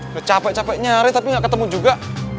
udah capek capek nyari tapi nggak ketemu juga